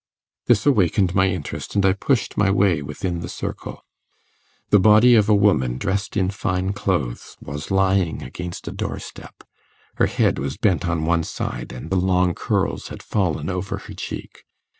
This awakened my interest, and I pushed my way within the circle. The body of a woman, dressed in fine clothes, was lying against a door step. Her head was bent on one side, and the long curls had fallen over her cheek.